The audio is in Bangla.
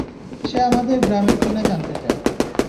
সে আমাদের গ্রামের কি না জানতে চাই।